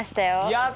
やった！